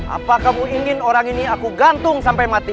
apa kamu ingin orang ini aku gantung sampai mati